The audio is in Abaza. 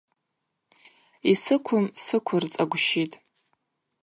Йсыквым сыквырцӏагвщитӏ.